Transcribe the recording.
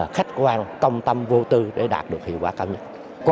khách quan công tâm vô tư để đạt được hiệu quả cao nhất